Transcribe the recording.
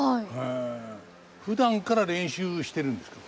ふだんから練習してるんですか？